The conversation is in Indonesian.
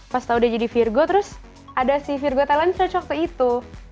pas tau udah jadi virgo terus ada si virgo talent shoes waktu itu